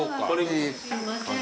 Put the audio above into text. すいません